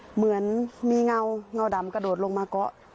เหมือนมีเงาเงาดำกระโดดลงมาเกาะ